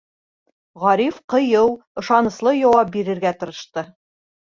Ғариф ҡыйыу, ышаныслы яуап бирергә тырышты.